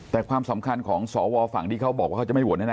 แต่ความสำคัญของสวฝั่งที่เขาบอกว่าเขาจะไม่โหวตแน่